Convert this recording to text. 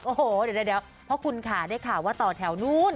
โอ้โหเดี๋ยวเพราะคุณค่ะได้ข่าวว่าต่อแถวนู้น